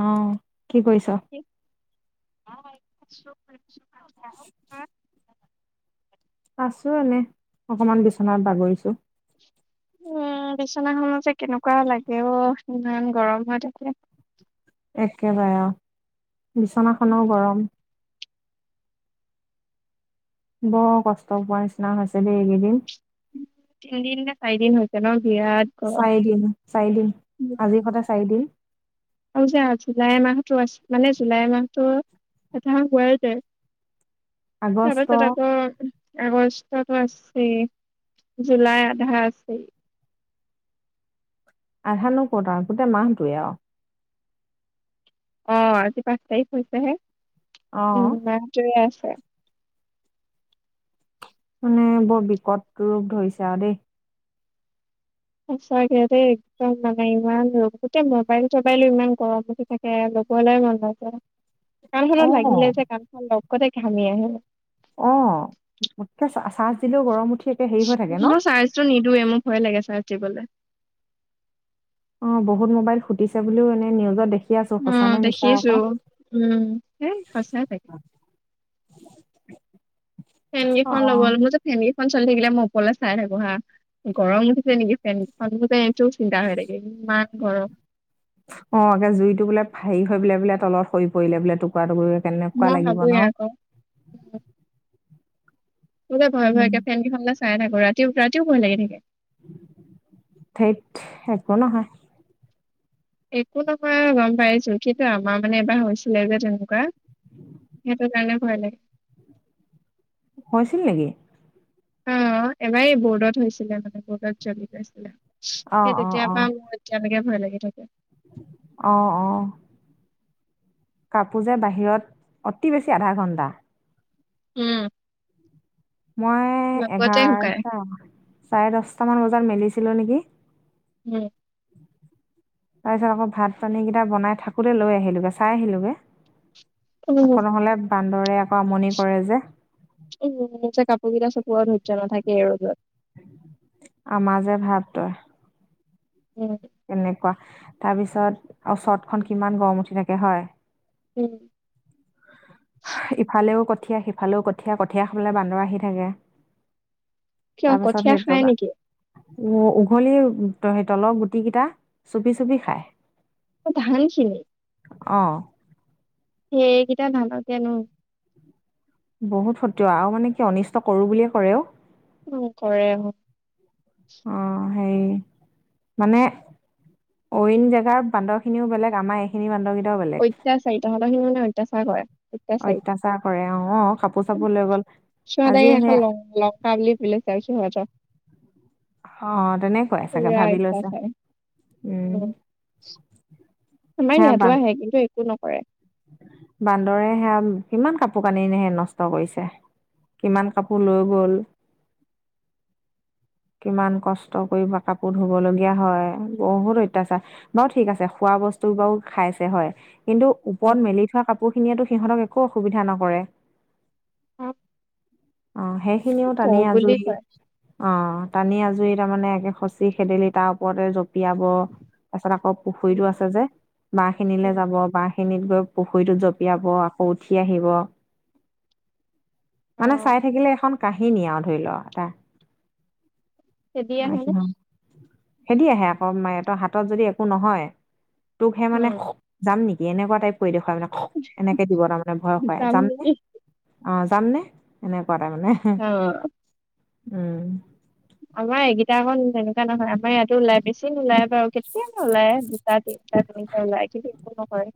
অ' কি কৰিছ? [unintelligible] আছো এনে অকমান বিচনাত বাগৰিছো। [unintelligible] উ বিছনাখনত যে কেনেকুৱা লাগে অ ইমান গৰম হৈ থাকে। একেবাৰে অ'। বিছনাখনো গৰম। বৰ কষ্ট পোৱা নিচিনা হৈছে দে এইকেইদিন। তিন দিন নে চাৰিদিন হৈছে ন? বিৰাট গৰম চাৰিদিন চাৰিদিন আজিৰ সৈতে চাৰিদিন। আৰু যে জুলাই মাহতো আছে মানে জুলাই মাহটো এটা হোৱাৰ দে তাৰ আগষ্ট পাছত আকৌ আগষ্টতো আছে জুলাই আধা আছে। আধা নো ক'ত আৰু গোটেই মাহটোৱে আৰু। আহ আজি পাঁচ তাৰিখ হৈছেহে অ উম মাহটোয়ে আছে। মানে বৰ বিকট ৰপ ধৰিছে আৰু দেই। সঁচাকে দেই একদম মানে ইমান ৰ গোটেই মবাইল চবাইলো ইমান গৰম উঠি থাকে। [unintelligible] অ কাণখনত লাগিলে যে কাণখন লগতে ঘামি আহে। অ' উঠকে চ - চাৰ্জ দিলেও গৰম উঠে। মই চাৰ্জটো নিদিওঁৱে, মোক ভয় লাগে চাৰ্জ দিবলে। অ বহুত মোবাইল ফুটিছে বুলিও এনে নিউজত দেখি আছো সঁচা উম নে মিছা দেখিছো আকৌ উম সেই সঁচাই চাগে ফেনগিখন অ ল'বল মোৰ যে ফেন [unintelligible] খন চলি থাকিলে মই উপৰলে চাই থাকো হা গৰম উঠিছে নেকি ফেনখন বুলো এইটো চিন্তা হৈ থাকে ইমান গৰম অ একে জুইতটো বুলে হেৰী হৈ বোলে বোলে তলত হৰি পৰিলে বোলে টুৰা টুকুৰিকে কেনেকুৱা মই লাগিব ভাবোৱে ন আকৌ। বোলে ভয় উম। ভয়কে ফেনকেইখনলে চাই থাকো ৰাতিও ৰাতিও ভয় লাগি থাকে থেইত একো নহয় একো নহয় গম পাইছো কিন্তু আমাৰ মানে এবাৰ হৈছিলে যে তেনেকুৱা সেইটো কাৰণে ভয় লাগে হৈছিল নেকি অ এবাৰ বৰ্ডত হৈছিলে মানে বৰ্ডত জ্বলি গৈছিলে অ', সেই তেতিয়াৰ পৰা মোৰ এতিয়ালেকে ভয় লাগি থাকে অহ অহ কাপোৰ যে বাহিৰত অতি বেছি আধা ঘন্টা উম মই লগতে শুকাই এঘাৰটা চাৰে দশটামান বজাত মেলিছিলো নেকি উম তাৰপিছত আকৌ ভাত পানী কেইটা বনাই থাকোতে লৈ আহিলোগে চাই আহিলোগে আকৌ নহলে বান্দৰে আকৌ আমনি কৰে যে উম [unintelligible] কেইটা চকুৰ ধৈৰ্য নথাকে এ ৰ'দত আমাজে ভাৱ তই উম তেনেকুৱা তাৰপিছত আৰু চৰতখন কিমান গৰম উঠি থাকে হয় উম ইফালেও কঠীয়া সিফালেও কঠিয়া কঠিয়া খাবলে বান্দৰ আহি থাকে কিয় কঠিয়া খাই নেকি? উঅ উঘলি তলৰ গুটি কেইটা চুপি চুপি খাই ধান খিনি অ', সেইকেইটা ধানকে আনো। বহুত ফটোৱা আৰু মানে কি অনিষ্ট কৰো বুলিয়ে কৰে অ', উম কৰে। অ', সেই মানে অইন জেগাৰ বান্দৰ খিনিও বেলেগ আমাৰ এইখিনি বান্দৰকেট টা বেলেগ, অত্যাচাৰী তহঁতৰ খিনি মানে অত্যাচাৰ কৰে অত্যাচাৰী অত্যাচাৰ কৰে অ', কাপোৰ চাপোৰ লৈ গ'ল আজি সেই [unintelligible] অ', তেনেকুৱাই চাগে পুৰা ভাবি লৈছে। অত্যাচাৰ উম আমাৰ সেয়া ইয়াতো বান আহে কিন্তু একো নকৰে। বান্দৰে সেয়া, কিমান কাপোৰ কানি নি নষ্ট কৰিছে। কিমান কাপোৰ লৈ গ'ল? [inaudible] কিমান কষ্ট কৰি বা কাপোৰ ধুব লগীয়া হয় বহুত অত্যাচাৰ, বাৰু ঠিক আছে খোৱা বস্তু বাও খাইছে হয়, কিন্তু ওপৰত উম মেলি থোৱা কাপোৰখিনিয়ো সিহঁতক একো অসুবিধা নকৰে। অ', অ', সেইখিনিও টানি আজুৰি কয় অ', টানি আজুৰি তাৰমানে একে খচি খেদিলি তাৰ ওপৰতে জ [unintelligible] তাৰপিছত আকৌ পুখুৰীতো উম, আছে যে, বাঁহ খিনিলে যাব বাঁহ খিনিত গৈ পুখুৰীটোত জঁপিয়াব আকৌ উঠি আহিব। মানে অ', চাই থাকিলে এখন কাহিনী আউ ধৰি লোৱা এটা খেদি আহোঁতে [unintelligible] খেদি আহে আকৌ [unintelligible] হাতত যদি একো নহয়, তোক সেই মানে উম, যাম নি কি এনেকুৱা টাইপ কৰি দেখুৱাই মানে এনেকে দিব তাৰমানে ভয় খুৱাই যাম যামনে? নেকি? অ', যামনে, এনেকুৱা তাৰ মানে অ', উম। আমাৰ এইকেইটাখন তেনেকুৱা নহয় আমাৰ ইয়াতো ওলাই বেছি নোলাই। ওলাই কেতিয়া ওলাই দুটা তিনিটা তেনেকে ওলাই কিন্তু একো ন কৰে,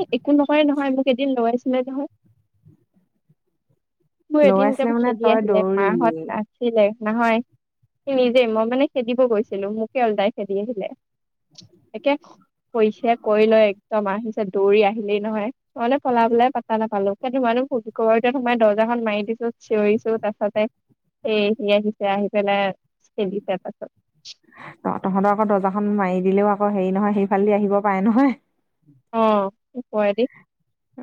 এ একো নকৰে নহয় মোক এদিন লগাইছিলে নহয়। মোৰ ল'ৰা এদিন আছিলে [unintelligible] মানে খেদি তই আহিলে, দৌৰিলি মাহত নাছিলে। নহয়, সি নিজেই মই মানে খেদিব গৈছিলো মোকে উল্টাই খেদি আহিলে। এতিয়া কৈছে কৈ লৈ একদম আহিছে দৌৰি আহিলেই নহয়, মানে পলাবলে পাত্তা নাপালো [unintelligible] ঘৰতে সোমাই দৰ্জাখন মাৰি দিছো চিঞৰিছো তাৰ পাছতে সে সি আহি তে আহি পেলাই, খেদিছে পাছত। ত' তহঁতৰ আকৌ দৰ্জাখন মাৰি দিলেও আকৌ হেৰি নহয় সেইফালেদি আহিব পাৰে নহয়। অ', শুকুৱাই দি।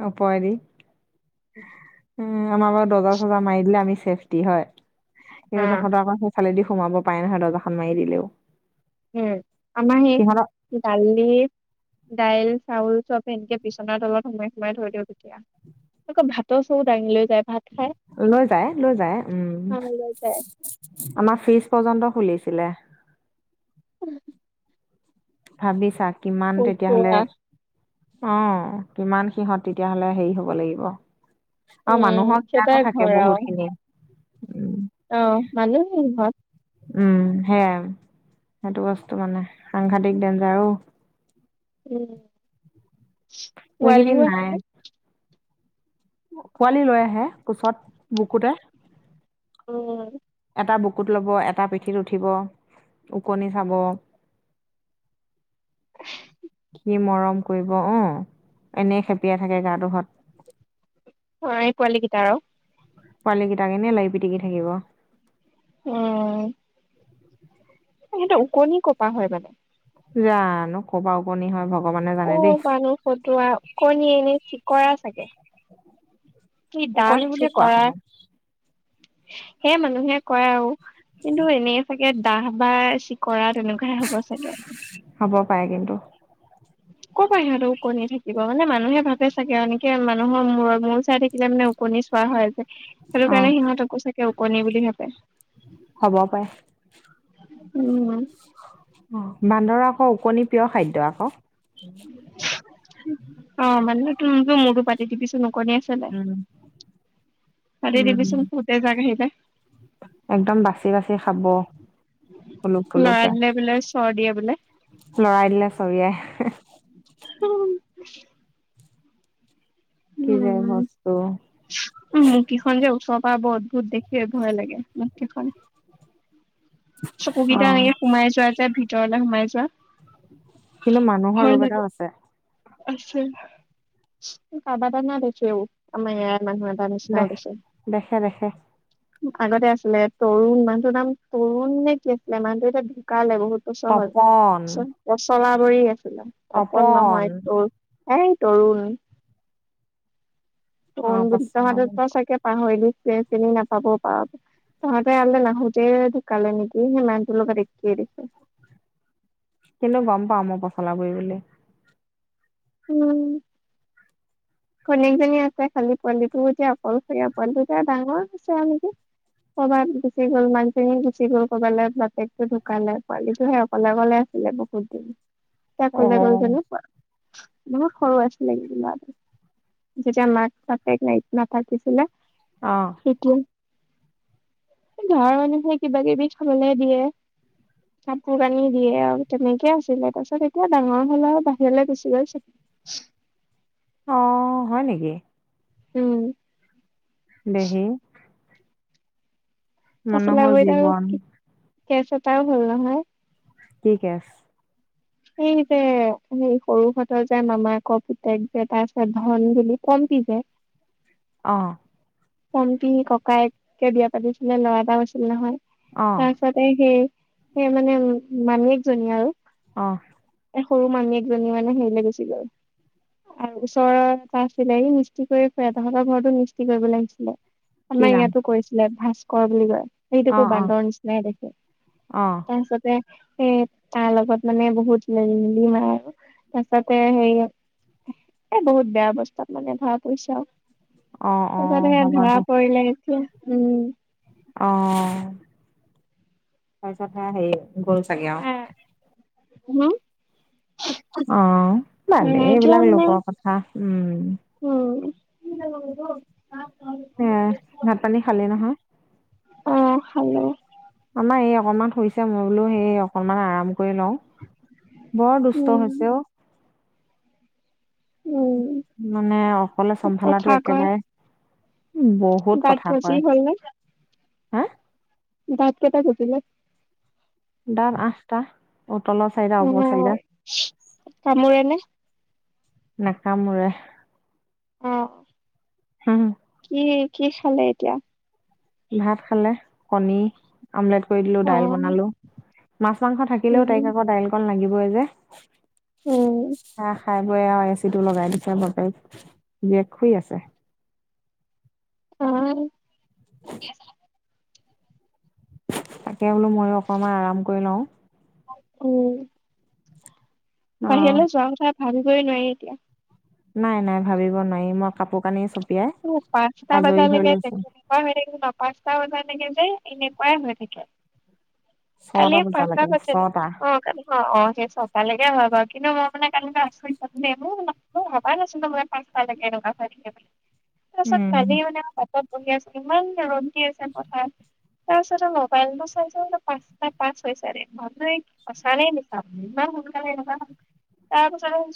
ওপৰেদি। উম আমাৰ বাৰ দৰ্জাৰ চজাৰ মাৰি দিলে আমি চছেফটি হয়, কিন্তু আহ তহঁতৰ আকৌ [unintelligible] ফালেদি সোমাব পাই নহয় দৰ্জাখন মাৰি দিলেও। উম, আমাৰ সিহঁতক সে দালি দাইল দাইল চাউল চব এনেকে বিছনাৰ তলত সোমাই সোমাই থৈ দিওঁ তেতিয়া, আকৌ ভাতৰ চব দাঙি লৈ যায় ভাত খাই লৈ যায় লৈ যায় উম, খাই লৈ যায় আমাৰ ফিজ পৰ্যন্ত খুলিছ [unintelligible] উম। ভাবিছা কিমান তেতিয়াহলে কটোৱা অ', কিমান সিহঁত তেতিয়াহ'লে হেৰি হ'ব লাগিব। অ', উম মানুহৰ জ্ঞানো সিহঁতৰ থাকে ঘৰ বহুত আৰু খিনি। উম অ', মানুহে সিহঁত। উম সেইয়াই, সেইটো বস্তু মানে, সাংঘাতিক ডেইঞ্জাৰ অ', উম এইকেইদিন পোৱালিও নাই আছে। পোৱালি লৈ আহে, কোচত বুকুতে। অঁ। এটা বুকুত ল'ব, এটা পিঠিত উঠিব, ওকনি চাব। [unintelligible] ক কৰিব অ, এনেই খেপিয়াই থাকে গাটো ঘৰত অঁ পোৱালি কেইটাই আৰু। পোৱালি কেইটাকেনে এনেই মাৰি পিটিকি থাকিব। সেইটো ওকণি কপা হয় মানে। জানো কবা ওকনি হয় ভগ অঁ মানুহ ফটোৱাক কণীয়ে এনেই চিকৰা চাগে। কি ওকণি ডাঠ বুলিয়ে কোৱা চিকৰা শুনো সেয় মানুহে কয় আৰু কিন্তু এনে চাগে দাহ বা চিক কৰা তেনেকুৱাহে হ'ব চাগে। পায় কিন্তু। ক' পৰা সিহঁতৰ ওকণি থাকিব মানে মানুহে ভাবে চাগে এনেকে মানুহৰ মূৰৰ -মূৰ চাই থাকিলে মানে ওকনি চোৱা হয় যে, সেইটো অ কাৰণে সিহঁতকো চাকে ওকনি বুলি ভাবে। হয়। উম। অঁ বান্দৰ আকৌ কণী প্ৰিয় খাদ্য আক। টোম টোম মদো পাতিতি পিছ ওকণি আছে নে নাই? উম খালদি বিচোন উম খতে জাগাাইিল [inaudible] একদম বাচি বাচি খাব, হুলুক থুলুকে। চৰ দিয়ে বোলে। লৰাই দিলে চৰিয়াই হে। উম। কি যে বস্তু। উম মুৰ্কিখন যে ওচৰ পৰা বহত অদ্ভুত দেখিয়ে ভয় লাগে মুৰ্কিখন। অ চকুকেইটা এনেকে সোমাই যোৱা যে ভিতৰলে সোমাই যোৱা। কিন্তু মানুহৰ ৰোগ এটাও আছে। আচ্ছা, কাবাটা ন বেছেও, আমাৰ ইয়াত। হ ত [inaudible] নিছ দেখ উছে। দেখে দেখে আগতে আছিলে, তৰুণ মানুহটোৰ নাম তৰুণ নে কি আছিলে মানুহটো এতিয়া ঢুকালে বহুত টো চহজ, তপন চ পছলা ধৰি আছিলা, তপন নহয় তোৰ এ তৰুণ। অ তৰুণ বুলি পচলা তহতে গুৰি ত চাগে পাহৰিল চ চিনি নাপাবও পাৰ। তহঁতে আলৈ নাহোতে ঢুকালে নেকি সেই মানু্হটোৰ লগত একেই দেখে। কিন্তু গম পাও মই পচলা গুৰি বুলি। উম। ঘৈনিয়েকজনী আছে খালী, পোৱালিটো এতিয়া অকলশৰীয়া পোৱালিটো ডাঙৰ হৈছে আৰু নেকি? ক'ৰবাত গুচি গ'ল মানুহজনি গুচি গ'ল, ক'বাল বাপেকটো ঢুকালে, পোৱালীটোহে অকলে অকলে পলে বহুত দিন। ত অ কলে গ'ল জানো পোৱা, বহুত সৰু আছিলে কিন্তু। যেতিয়া মাক বাপেক নাই নাপাতিছিলে, অ সেইটো গাৱৰ মানুহে কিবা -কিবি খাবলৈ দিয়ে। কাপোৰ কানি -দিয়ে আৰু তেনেকে আছিলে তাৰ পিছত এতিয়া ডাঙৰ হ'ল আৰু বাহিৰলৈ গুচি গ'ল চ [unintelligible] অ। হয় নিকি? উম দেহি মানুহৰ ফচলাবাৰীত আৰু জীৱন কেছ এটাও হল নহয় কি কেছ এই যে সে সৰু হতৰ যে মামাক পুতেক যে তাই পেট গঙন দিলি কম কি যে অহ পম্পী ককাইে বিয়া পাতিছিলে ল'ৰা এটা হৈছিল নহয় অ তাৰ পিছতে সেই সেই মানে মামিযে একজনী আৰু। অহ সৰু মামিযেক এজনী মানে হেৰিলৈ গুচি গল। আৰু এটা ওচৰতটা আছিলে এই মিস্ত্ৰী কৰি ফুৰে তহঁতৰ ঘৰতো মিস্ত্ৰী কৰিব লাগিছিল। কি আমাৰ নাম ইয়াতো কৰিছিলে ভাস্কৰ বুলি কয় সেইটো অ একো অ বান্দৰ নিচিনাই দেখে অ তাৰপিছতে সে তাৰ লগত মানে বহুত মিলি মিলিম আৰু তাৰ পিছতে সে এ বহুত বেয়া অৱস্থাত মানে ধৰা পৰিছে আও অহ অহ ধৰা পৰিলে চোন উম অহ তাৰপিছত হে হেৰি গল চাগে আৰু উহ অহ ভাল এতিয়া এইবিলাক মানে লোকৰ কথা উম কি গৈ‌ [unintelligible] এ ভাত পানী খালি নহয় অহ খালো আমাৰ এই অকনমান শুইছে মই বোলো সেই অকনমান আৰাম কৰিলও বৰ দুষ্ট উম হৈছে অ উম মানে অকলে খুব কথা চম্ভালো কয় একেবাৰে বহুত দাঁত কথা গজি কয় হ'ল নে হে দাঁত কেইটা গজিলে দাঁত আঠাতো অ তল চাইড অ হ'ব চাইৰা কামোৰে নে [unintelligible] নাকামোৰে অহ হুম কি কি খালে এতিয়া ভাত খালে কণী আমলেট কৰি দিলোঁ অ দাইল বনালোঁ মাছ মাংস থাকিলেও উম তাইক আকৌ দাইলকণ লাগিবই যে উম চাহ খাই বৈ আৰু এচি টো লগাই দিছে বাপেক জীয়েকৰ শুই আছে অহ তাকে বোলো ময়ো অকনমান আৰাম কৰি লওঁ উম অ' বাহিৰলৈ যোৱা কথা ভাবিবই নোৱাৰি এতিয়া নাই নাই ভাবিব নোৱাৰি মই কাপোৰ কানি চব তো পাঁচটা বজালকে দেখি নোপোৱা হৈ থাকিলো পাঁচটা বজাৰকে যে এনেকুৱা হৈ থাকে কালি ছটা পাচঁ বজালৈকে বজালো ছটা কালি অহ অহ ছটালেকে হয় কিন্তুই মানে কালি আচৰিত পালো দেই মোৰ ভবাই নাছিলো মই পাঁচত লেকে টকা চাই কেতিয়া তাৰপাছত কালি উম মানে চব ধুনীয়া আছে ইমানকে ৰদ আছে পথাৰত তাৰপিছত মবাইলটো চাইছো পাঁচাই পাছ হৈ চাৰে বাপৰে সঁচা নে মিছা সোনকালে এনো তাৰ পিছতে সঁচাছে [unintelligible]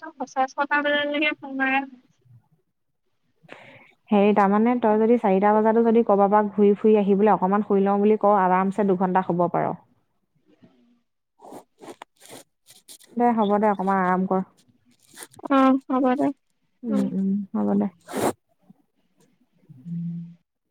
ছটা বজালৈকে সোন মাৰ [inaudible] হেৰি তাৰ মানে তই যদি চাৰিটা বজাতো যদি কবা পা ঘুৰি ফ শুই আহিবলৈ অকণমান শুই লওঁ বুলি কওঁ আৰামছে দুঘণ্টা হ'ব পাৰ দে হ'ব দে অকণমান আৰাম কৰ অ হ'ব দে উম উম হ'ব দে উম।